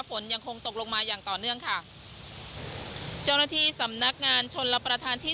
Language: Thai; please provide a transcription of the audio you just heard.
ฝนยังคงตกลงมาอย่างต่อเนื่องค่ะเจ้าหน้าที่สำนักงานชนรับประทานที่